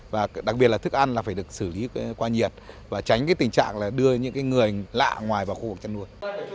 và đặc biệt là thức ăn là phải được xử lý qua nhiệt và tránh cái tình trạng là đưa những người lạ ngoài vào khu vực chăn nuôi